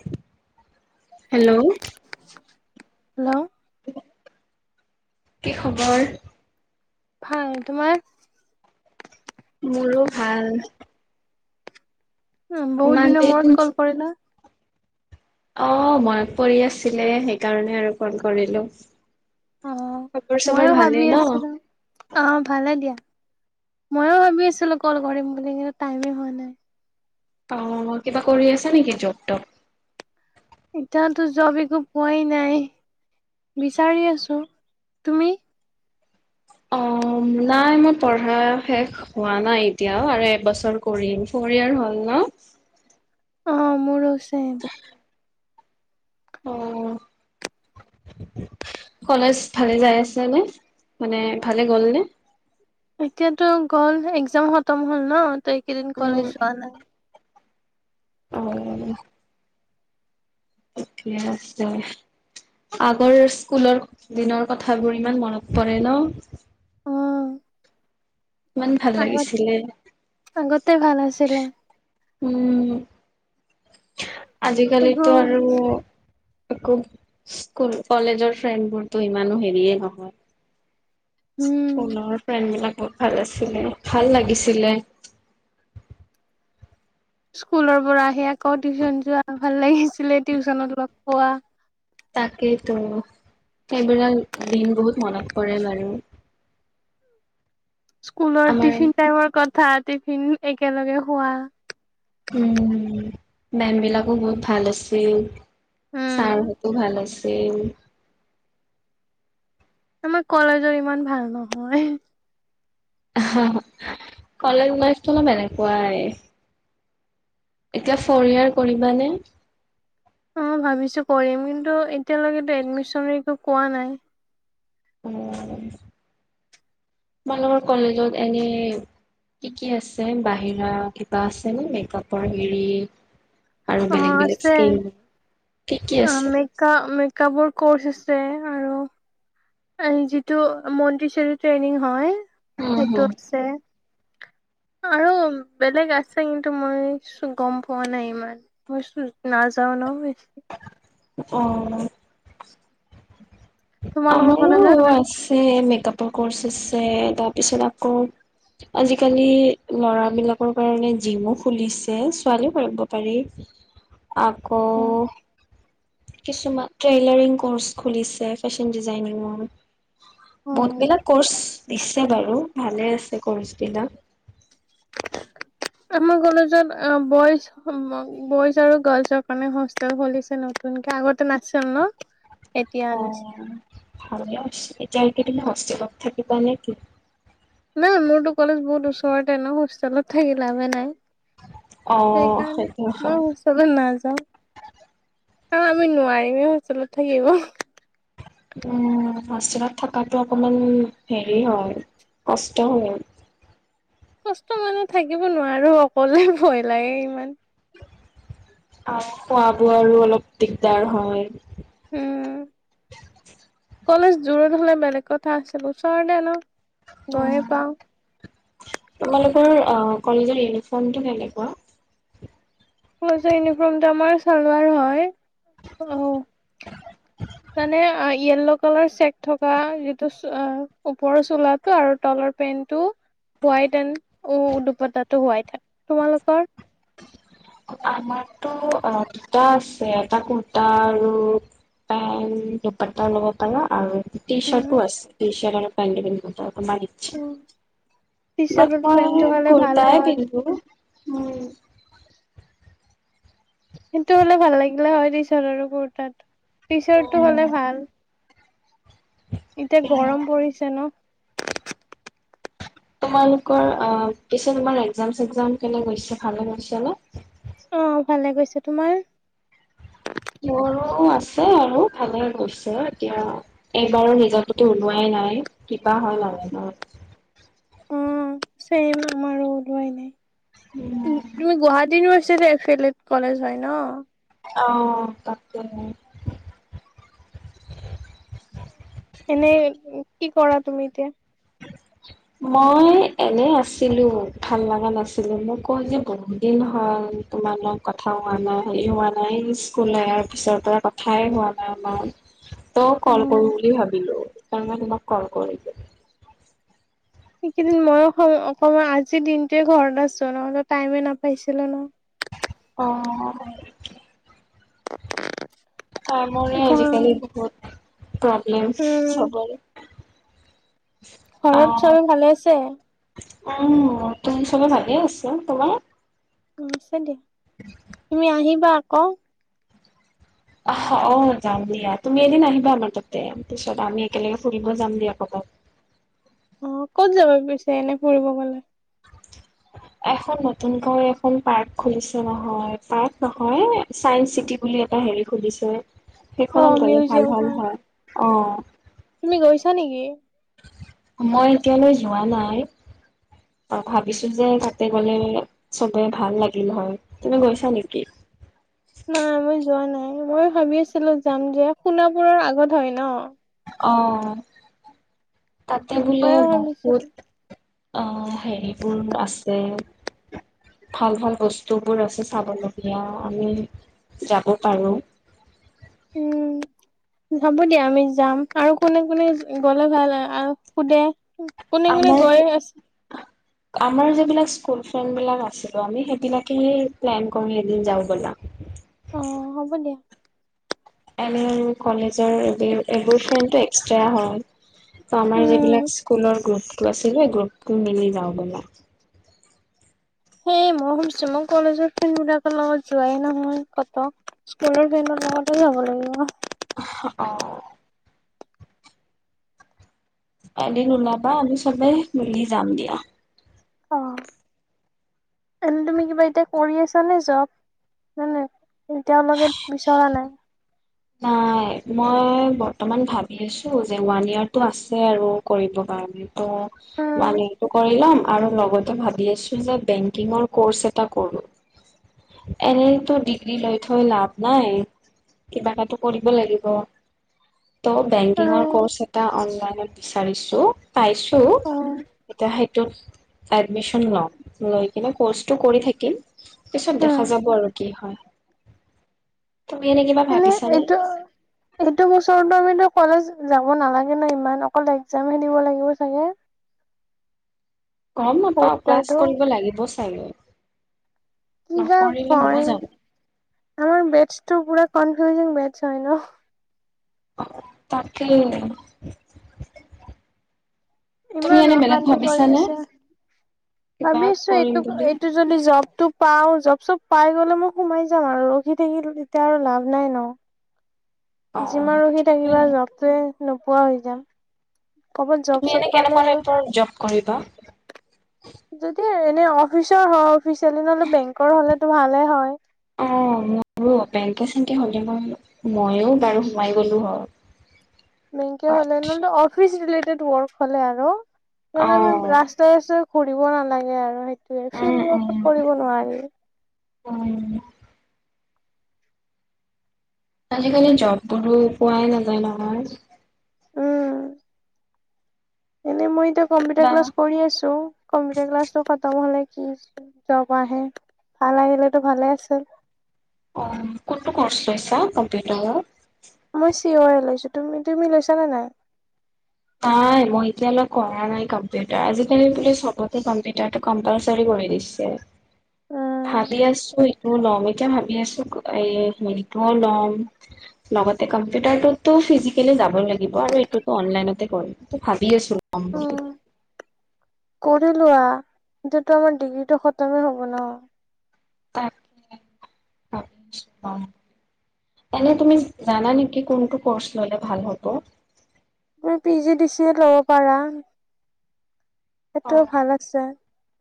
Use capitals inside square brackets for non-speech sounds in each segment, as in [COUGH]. [UNINTELLIGIBLE] Hello. Hello. কি খবৰ? ভাল, তোমাৰ? মোৰো ভাল। উ, বহুত ইমান দিনৰ দিন মূৰত কল কৰিলা। অ', মনত পৰি আছিলে, সেইকাৰণে আৰু ফোন কৰিলো। অ', খবৰ চবৰ ম‌ইয়ো ভালেই ভাবি ন? আছিলো। অ', ভালে দিয়া। ম‌য়ো ভাবি আছিলো কল কৰিম বুলি। কিন্তু টাইমে হোৱা নাই। অ', কিবা কৰি আছা নেকি জব-টপ। এতিয়াতো জব একো পোৱাই নাই। বিচাৰি আছো, তুমি? অ নাই, মই পঢ়া শেষ হোৱা নাই এতিয়াও আৰু এবছৰ কৰিম। ফৰ ইয়াৰ হ'ল ন। অ', মোৰো চ ছেম। অ', কলেজ ভালে যাই আছে নে। মানে ভালে গ'লনে। এতিয়াতো গ'ল, এক্সাম খতম হ'ল ন ত এইকেইদিন কলেজ উম যোৱা নাই। অ', ঠিকে আছে, আগৰ স্কুলৰ দিনৰ কথাবোৰ ইমান মনত পৰে ন। অ ইমান ভাল আগত লাগিছিলে আগতে ভাল আছিলে উম। একো আজিকালিতো আৰু আকৈ স্কুল কলেজৰ ফ্ৰেণ্ডবোৰতো ইমানো হেৰিয়ে নহয় উম পুনৰ ফ্ৰেণ্ড বিলাকক ভাল আছিলে ভাল লাগিছিলে স্কুলৰ পৰা আহি আকৌ টিউশচন যোৱা ভাল লাগিছিলে টিউচনত লগ পোৱা তাকেই তো সেইবিলাক দিন বহুত মনত পৰে বাৰু স্কুলৰ আমাৰ টিফিন টাইমৰ কথাত টিফিন একেলগে খোৱা উম, মেম বিলাকো বহুত ভাল আছিল। উম চাৰ হতে ভাল আছিলে। উম। আমাৰ কলেজৰ ইমান ভাল নহয়। হা হা কলেজ লাইপ টো এনেকুৱাই এতিয়া ফৰিয়াৰ কৰিবানে? অঁ ভাবিছো কৰিম কিন্তু এতিয়ালৈকেতো এডমিশন একো কোৱা নাই! মইালোকৰ কলেজত এনে কি কি আছে বাহিৰা কিবা আছেনে মেকআপৰ হেৰি আৰু অ বেলেগ বেলেগ আছে স্কিম কি কি আ ম আছে? মেকা মে কাবোৰ কৰ্চ আছে আৰু যিটো মিন্দিচেৰি ট্ৰেইনিং হয় উম সেইটো হম। আছে আৰু বেলেগ আছে কিন্তু মই গম পোৱা নাই ইমান মই নাযাও ন হৈছে অ তোমালোকৰ আমাৰো কলেজত আছে মেকআপৰ কৰ্চ ছে তাৰপিছত আকৌ আজিকালি ল'ৰাবিলাকৰ কাৰণে জিমো খুলিছে ছোৱালীও কৰিব পাৰি আকৌ অ কিছুমান ট্ৰেইলাৰিং কৰ্চ খুলিছে ফেশ্বন ডিজাইনিঙৰ অ বহুতবিলাক কৰ্চ দিছে বাৰু ভালে আছে কৰ্চ বিলাক আমাৰ কলেজত অ বইজ বইজ আৰু গাৰ্লছৰ কাৰণে হোষ্টেল খুলিছে নতুনকে আগতে নাছিল ন এতিয়া অ আনিছে। ভালে আছে এতিয়া একেদিন হস্তেলত থাকিবা নে কি নাই মোৰতো কলেজ বহুত ওচৰতে ন হোষ্টেলত থাকিল লাভে নাই অ সেইকাৰণে সেইটো হয় মই ওচৰত নাজা অ আমি নোৱাৰিমেই হোষ্টেলত থাকিব হোষ্টেলত থকাটো অকমান হেৰি হয় কষ্ট হয় কষ্ট মানে থাকিব নোৱাৰো অকলে ভয় লাগে ইমান আ আৰু খোৱা বোৱাৰো অলপ দিগদাৰ হয় উম কলেজ দুৰত হলে বেলেগ কথা আছিল ওচৰতে ন গয়ে পাওঁ তোমালোকৰ আ কলেজৰ ইউনিফৰ্মটো কেনেকুৱা কলেজৰ ইউনিফৰ্মটো আমাৰ চালোৱাৰ হয় অ তানে ইয়েলৌ কালাৰ চেক থকা যিটো আ ওপৰৰ চোলটো আৰু তলৰ পেন্টো হোৱাইট এন্ড দুপাত্তাটো হোৱাইট তোমালোকৰ আমাৰতো অ দুটা আছে এটা কুৰ্তা আৰু পেন্ট দুপাৰটা ল'ব পাৰো আৰু ট্ৰি চাৰ্ট ও আছে ট্ৰি চাৰ্ট পেনটো পিন্ধিব পা [UNINTELLIGIBLE] টি ম চাৰ্টৰ মই পেন্টটো হ'লে ভাল কুৰটাই হয় পিন্ধো উম সেইটো হ'লে ভাল লাগিলে হয় দে আৰু কোৰটাটো টি চাৰ্টটো হলে ভাল এতিয়া গৰম পৰিছে ন তোমালোকৰ অ পিছে তোমাৰ এক্জাম চগজাম কেনে গৈ ভালে গৈ হৈছে নে অঁ ভালে গৈছে তোমাৰ মোৰো আছে আৰু ভালে গৈছে এতিয়া এইবাৰো নিজো ওলোৱাই নাই কিবা হয়ল মানত চ আমাৰো উওলোৱাই নাই তুমি গুৱাহাটী ইউাৰ ফড কলেজ হয় ন অ তাকে এনেই কি কৰা তুমি এতিয়া মই এনে আছিলো ভাল লগা নাছিলো মোক কওঁ যে বহুত দিন হল তোমাৰ লগ কথা হোৱা নাই হেৰি হোৱা নাই স্কুল আৰু পিছৰ পৰা কথাই হোৱা নাই আমাৰ তই কল উম কৰম বুলি ভাবিলো। ত মাক কলক ল সেইকেইদিন ময়ো অকমান আজিৰ দিনটোোৱে ঘৰত আছো ন ত টাইমে নাপাইছিলো ন অ তাৰ মৰে ঘৰ আজিকালি বহুত অ উ উম, চবৰে অ ঘৰত চাৰী ভালে আছে উম তুমি চবে থাগে আছ তোমাৰ উ আছে দিয়া তুমি আহিবা ক অ যাম দিয়া তুমি এদিন আহিবা আমাৰ তাতে পিছত আমি একেলগে ফুৰিব যাম দিয়া কৰবাত। অ ক'ত যাব পিছে এনে ফুৰিব গলে? এখন নতুনকৈ এখন পাৰ্ক খুলিছে নহয় পাৰ্ক নহয় চাইস চিটি বুলি এটা হেৰি খুলিছে। অ', সেইখনত মিউজিয়ামখন। গ'লে অঁ তুমি গৈছা নেকি মই এতিয়ালৈ যোৱা নাই ভাবিছো যে তাতে গলে চবে ভাল লাগিল হয়। তুমি গৈছা নেকি নাই মই যোৱা নাই মই ভাবি আছিলো যাম যে সোণাপুৰৰ আগত হয় ন অঁ তাতে গলেো ময়ো ভাবিছিলো। বহুত হেৰিবোৰ আছে ভাল ভাল বস্তুবোৰ আছে চাবলগীয়া আমি যাব পাৰোঁ উম হব দিয়া আমি যাম আৰু কোনে কোনে গলে ভাল সোধে কোনে কোনে আমাৰ গৈয়ে আছে আমাৰ যিবিলাক স্কুল ফ্ৰেণ্ড বিলাক আছিলো আমি সেইবিলাকেহে প্লেন কৰো এদিন যাওঁ বলা অ হ'ব দিয়া এনে কলেজৰ এবোৰ ফ্ৰেণ্ডটো এক্সট্ৰা হয়। ত আমাৰ উম, যিবিলাক স্কুলৰ গ্ৰুপত আছে গ্ৰুপটো মিলি যাওঁ বোলা সেয়ে মই ভাছোঁ মই কলেজৰ ফ্ৰেণ্ডবিলাকৰ লগত যোৱাই নহয় কত স্কুলৰ ফ্ৰেণ্ডৰ লগতো যাব লাগিব এদিন ওলাবা আমি চবে মিলি যাম দিয়া অ' এনে তুমি কিবা এতিয়া কৰি আছানে জব নে এতিয়ালৈকে বিচৰা নাই? নাই মই বৰ্তমান ভাবি আছো যে ওৱান ইয়েৰটো আছে আৰু কৰিব কাৰণে তো উম মানে এইটো কৰি ল'ম আৰু লগতে ভাবি আছো যে বেংকিঙৰ কৰ্চ এটা কৰো এনেতো ডিগ্ৰী লৈ থৈ লাভ নাই কিবা কৰিব লাগিব ত' বেংকিংৰ কৰ্চ অ এটা এটা অনলাইনত বিচাৰিছো পাইছো এতিয়া সেইটোত এডমিশন লম লৈ কিনে ক'ৰ্চটো কৰি থাকিম পিছত উম দেখা যাব আৰু কি হয় তুমি এনে কিবা এনে ভাবিছানে এইটো এইটো [UNINTELLIGIBLE] কলেজ যাব নালাগে ন ইমান অকল এক্সাম হে দিব লাগিব চাগে গম ফ'ৰ্থ নাপাও ক্লাছ ইয়েৰটো কৰিব লাগিব চাগে। কি বা নকৰিলে হ'ব হয় জানো আমাৰ বেটছটো পোৰা কনফিউজিং বেটছ হৈ ন? তাকেই ইমান অশান্তি কৰি দিছে কিবা ভাবি আছো কৰিম এইটো বুলি এইটো যদি জব তো পাও জব চব পাই গ'লে মই সোমাই যাম আৰু ৰখি থাকিলে তেতিয়া আৰু লাভ নাই ন অ যিমান ৰখি ঠিকে থাকিবা যতে নোপোৱা হৈ যাম ক'বাত জব তুমি চব এনে পালে কেনেকুৱা আৰু টাইপৰ জব কৰিবা যদি এনে অফিচৰ হয় অফিচিয়েলি নহলে বেংকৰ হলেতো ভালে হয়। বেংক [UNINTELLIGIBLE] হ'লে মই ময়ো বাৰু সোমাই গলো হয়। মক বাট হলেনে অফিচ ৰেট [UNINTELLIGIBLE] হলে আৰু তনে ম অ', ৰাস্ত [UNINTELLIGIBLE] পঢ়িব নালাগে আৰু ফিলড ৱৰ্কত কৰিব নোৱাৰি। উ আজিকালি জববোৰো পোৱাই নাযায় নহয় উম এনে মই এতিয়া কম্পিউটাৰ কিবা ক্লাছ কৰি আছো কম্পিউটাৰ ক্লাছটো খতম হ'লে কি জব আহে ভাল আহিলেতো ভালে আছিল। অহ, কতো কোৰ্চ লৈছা কম্পিউটাৰৰ? মই চিও লৈছে। তুমি তুমি লৈছানে নাই? নাই মই এতিয়া লৈ কৰা নাই কম্পিউটাৰ। আজিকালি বো ছবতে কম্পিটাৰ টো কম্পেলসৰি কৰি দিছে। উম ভাবি আছো টোও লম এতিয়া ভাবি আছো শটোও লম লগতে কম্পিউটাৰতো ফিজিকেলি যাব লাগিব আৰু এইটোও অনলাইন কৰে টো ভাবি আছো কম বুলি কৰি লোৱা [UNINTELLIGIBLE] ডিগ্ৰীটো খতমেই হ'ব ন। তাকে, ভাবিছোঁ আৰু। এনে তুমি জানা নেকি কোনটো কৰ্চ ললে ভাল হব? পি, জি, ডিচি ল'ব পাৰা। সেইটো অ', ভাল আছে।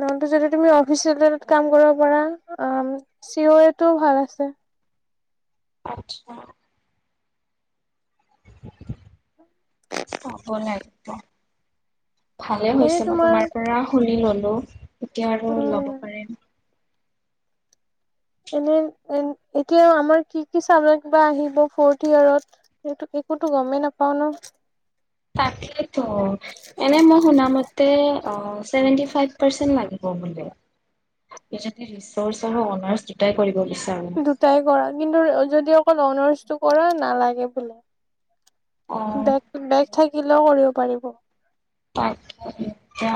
নহলটো যদি তুমি অফিচ কাম কৰিব পাৰা চিয়ৰ টো ভাল আছে। আটচা। [UNINTELLIGIBLE] ভালে হৈছে মই তোমাৰ পৰা শুনি লল হেল্ল' এতিয়া আৰু উম ল'ব পাৰিম। এনে, এতিয়া আমাৰ কি, কি চাল কিবা আহিব ফৰ্থ ইয়েৰত সেইটো একোতো গমেই নাপাওঁ ন? তাকেতো এনে মই শুনা মতে অ', চেভেন্তি ফাইফ পাৰচেন লাগিব বোলে [UNINTELLIGIBLE] ৰিছৰ্চ আৰু অনাৰচ দুইটাই কৰিব দি দুটাই কৰা, কিন্তু যদি অকল অনাৰ্চটো কৰা নালাগে বোলে। অ', বেগ, বেগ থাক [UNINTELLIGIBLE] কৰিব পাৰিব। তাকে এতিয়া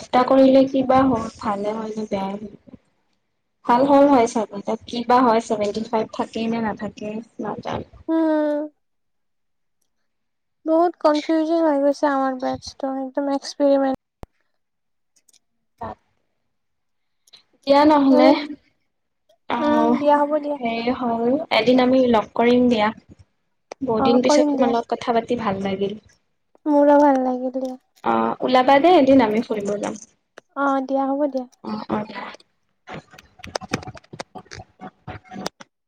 দুটা কৰিলে কিবা হয়, ভালে হয়, নে বেয়াই হয়, ভাল হ'ল হয়, চাগৈ কি বা হয়, চেভেন্তি ফাইভ থাকেই নে নাথাকে নাজা উম। বহুত কনফিউজন হৈ গৈছে আমাৰ বেটচটো একদম এক্সপৰিমেট [UNINTELLIGIBLE] এয়া নহ'লে উম অ', দিয়া হ'ব দিয়া সেই আৰু এদিন আমি লগ কৰিম দিয়া। অ বহুদিন পিছত কৰিম দিয়া তোমাৰ লগত কথা পা ভাল লাগিল মোৰো ভাল লাগিলি দিয়া। [UNINTELLIGIBLE] দে এদিন আমি ফুৰিব যাম অ দিয়া হ'ব দিয়া। অ', [INAUDIBLE] [INAUDIBLE]